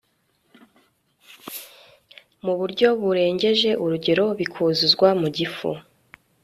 mu buryo burengeje urugero bikuzuzwa mu gifu